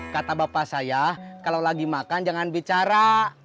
kata bapak saya kalau lagi makan jangan bicara